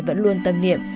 vẫn luôn tâm niệm